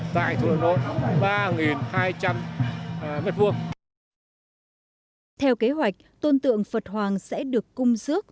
theo kế hoạch tôn tượng phật hoàng sẽ được cung dước